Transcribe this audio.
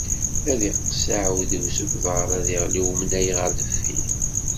Ad iqqes aɛawdiw seg uḍar, ad iɣli umnay ɣer deffir.